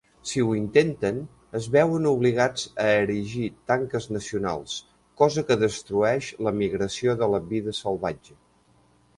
Si ho intenten, es veuen obligats a erigir tanques nacionals, cosa que destrueix la migració de la vida salvatge.